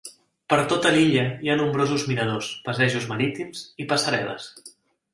Per tota l'illa hi ha nombrosos miradors, passejos marítims i passarel·les.